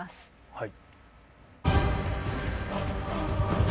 はい。